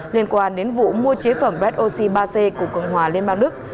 liên quan đến vụ mua chế phẩm red oxy ba c của cường hòa liên bang đức